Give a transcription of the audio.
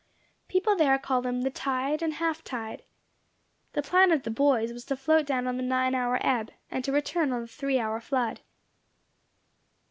People there call them "the tide and half tide." The plan of the boys was to float down on the nine hour ebb, and to return on the three hour flood.